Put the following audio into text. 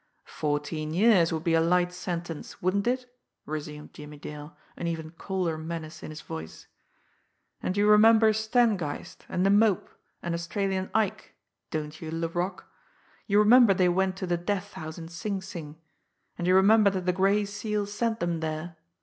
"Fourteen years would be a light sentence, wouldn't it?" resumed Jimmie Dale, an even colder menace in his voice. "And you remember Stangeist, and the Mope, and Australian Ike, don't you, Laroque you remember they went to the death house in Sing Sing and you remember that the Gray Seal sent them there?